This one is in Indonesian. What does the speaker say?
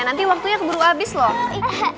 nanti waktunya keburu habis loh